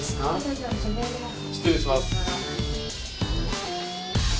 失礼します。